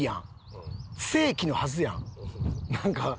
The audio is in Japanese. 性器のはずやん。